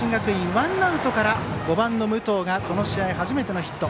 ワンアウトから５番の武藤がこの試合初めてのヒット。